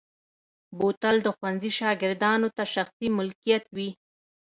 بوتل د ښوونځي شاګردانو ته شخصي ملکیت وي.